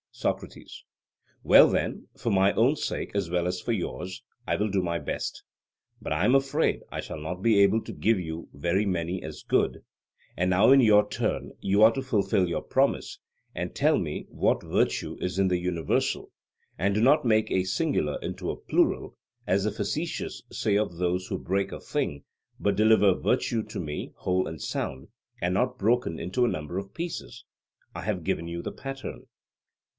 SOCRATES: Well then, for my own sake as well as for yours, I will do my very best; but I am afraid that I shall not be able to give you very many as good: and now, in your turn, you are to fulfil your promise, and tell me what virtue is in the universal; and do not make a singular into a plural, as the facetious say of those who break a thing, but deliver virtue to me whole and sound, and not broken into a number of pieces: I have given you the pattern.